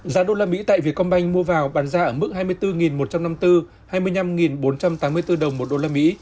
giá usd tại việt công banh mua vào bán ra ở mức hai mươi bốn một trăm năm mươi bốn đồng hai mươi năm bốn trăm tám mươi bốn đồng một usd